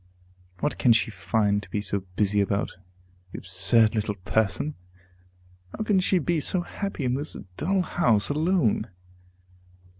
What can she find to be so busy about, the absurd little person? how can she be so happy in this dull house alone?